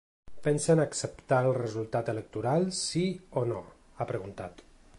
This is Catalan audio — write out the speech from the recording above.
Pensen acceptar el resultat electoral sí o no?, ha preguntat.